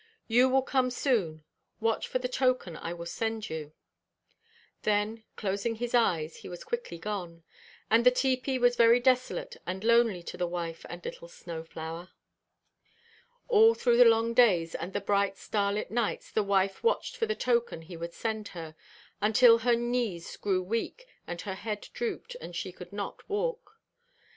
You will come soon; watch for the token I will send you." Then, closing his eyes, he was quickly gone. And the tepee was very desolate and lonely to the wife and little Snow flower. All through the long days and the bright starlit nights the wife watched for the token he would send her, until her knees grew weak, and her head drooped, and she could not walk.